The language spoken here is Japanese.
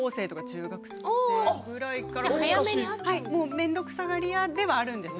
めんどくさがり屋ではあるんです。